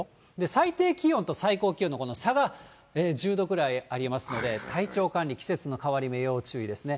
最低気温と最高気温の、この差が、１０度くらいありますので、体調管理、季節の変わり目、要注意ですね。